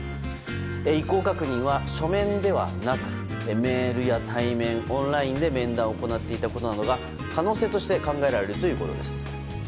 意向確認は書面ではなくメールや対面オンラインで面談を行っていたことなどが可能性として考えられるということです。